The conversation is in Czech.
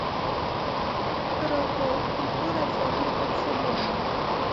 Proto tuto reformu potřebujeme.